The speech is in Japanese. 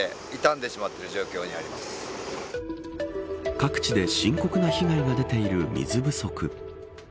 各地で深刻な被害が出ている水不足。